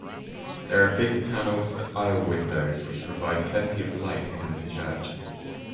There are big panelled aisle windows which provide plenty of light in this church.